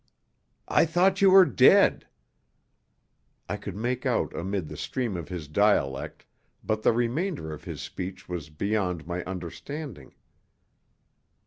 "I thought you were dead!" I could make out amid the stream of his dialect, but the remainder of his speech was beyond my understanding.